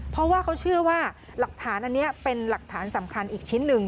เพราะว่าเขาเชื่อว่าหลักฐานอันนี้เป็นหลักฐานสำคัญอีกชิ้นหนึ่ง